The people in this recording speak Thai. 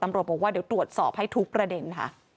ตำรวจบอกว่าเดี๋ยวตรวจสอบให้ทุกประเด็นค่ะ